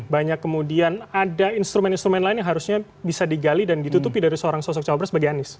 banyak kemudian ada instrumen instrumen lain yang harusnya bisa digali dan ditutupi dari seorang sosok cawapres bagi anies